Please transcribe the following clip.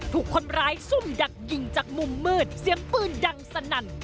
ถูกคนร้ายซุ่มดักยิงจากมุมมืดเสียงปืนดังสนั่น